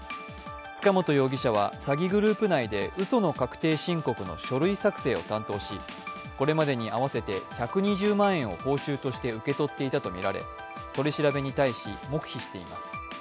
塚本容疑者は詐欺グループ内でうその確定申告の書類作成を担当しこれまでに合わせて１２０万円を報酬として受け取っていたとみられ、取り調べに対し、黙秘しています。